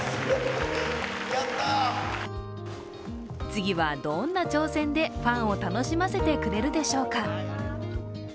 次はどんな挑戦でファンを楽しませてくれるでしょうか。